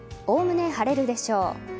おおむね晴れるでしょう。